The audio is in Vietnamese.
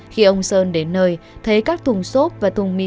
khi ông sơn đến nơi thấy các thùng xốp và thùng mì